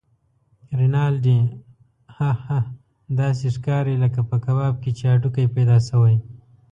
رینالډي: اه اه! داسې ښکارې لکه په کباب کې چې هډوکی پیدا شوی.